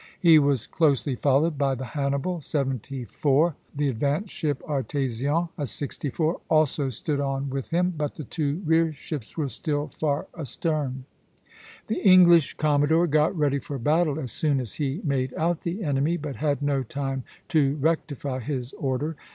He was closely followed by the "Hannibal," seventy four (line a b); the advance ship "Artésien" (c), a sixty four, also stood on with him; but the two rear ships were still far astern. [Illustration: Pl. XIII. PORTO PRAYA. APRIL 16, 1781.] The English commodore got ready for battle as soon as he made out the enemy, but had no time to rectify his order.